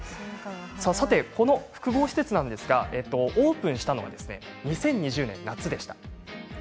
さて、この複合施設がオープンしたのは２０２０年夏でした。